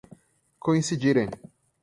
coincidirem